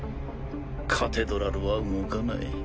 カテドラルは動かない。